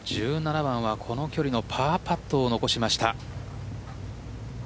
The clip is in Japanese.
１７番はこの距離のパーパットを残しました。